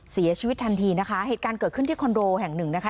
เสียชีวิตทันทีนะคะเหตุการณ์เกิดขึ้นที่คอนโดแห่งหนึ่งนะคะ